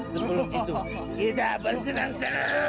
sebelum itu tidak bersenang senang